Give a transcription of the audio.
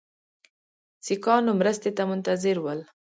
سیکهانو مرستې ته منتظر ول.